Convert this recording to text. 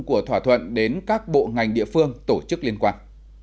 của thỏa thuận đến các bộ ngành địa phương tổ chức liên quan